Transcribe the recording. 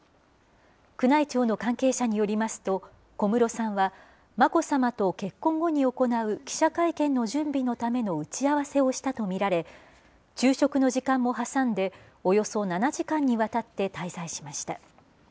宮内庁の関係者によりますと、小室さんは、眞子さまと結婚後に行う記者会見の準備のための打ち合わせをしたと見られ、昼食の時間も挟んで、およそ７時間にわたって滞在しました。